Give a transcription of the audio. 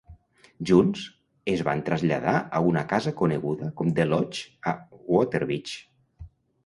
Junts, es van traslladar a una casa coneguda com The Lodge a Waterbeach.